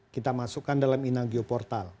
kita masukkan dalam inagio portal